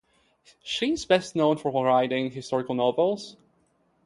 She is best known for writing historical novels.